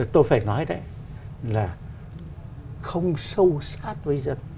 tôi phải nói đấy là không sâu sát với dân